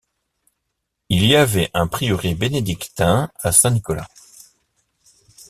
Il y avait un prieuré bénédictin à Saint-Nicolas.